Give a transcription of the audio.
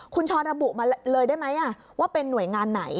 คุณชรระบุมาเลยได้ไหมว่าเป็นหน่วยงานไหน